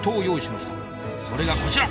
それがこちら！